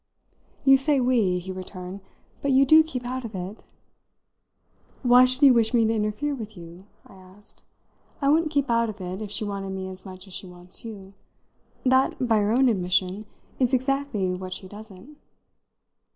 "You say 'we,'" he returned, "but you do keep out of it!" "Why should you wish me to interfere with you?" I asked. "I wouldn't keep out of it if she wanted me as much as she wants you. That, by your own admission, is exactly what she doesn't."